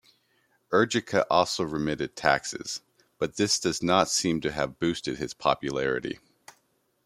Ergica also remitted taxes, but this does not seem to have boosted his popularity.